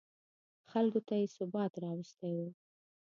خلکو ته یې ثبات راوستی و.